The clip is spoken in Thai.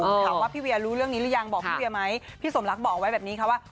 ถามว่าพี่เวียรู้เรื่องนี้หรือยังบอกพี่เวียไหมพี่สมรักบอกไว้แบบนี้ค่ะว่า